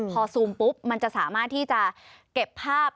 พอซูมปุ๊บมันจะสามารถที่จะเก็บภาพ